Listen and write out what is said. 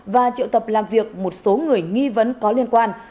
và triệu tập làm việc một số người nghi vấn có liên quan